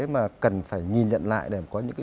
mà cần phải nhìn nhận lại để có những